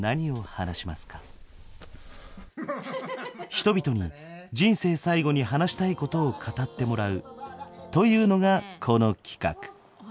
人々に人生最後に話したいことを語ってもらうというのがこの企画。